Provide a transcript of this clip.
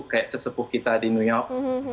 kayak sesepuh kita di new york